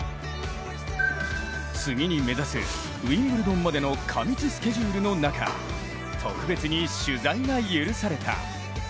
次に目指すウィンブルドンまでの過密スケジュールの中特別に取材が許された。